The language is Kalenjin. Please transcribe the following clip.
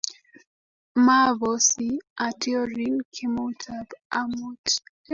maabosi atyorin kemoutab amut